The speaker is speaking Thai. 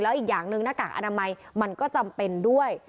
อีกอย่างหนึ่งหน้ากากอนามัยมันก็จำเป็นด้วย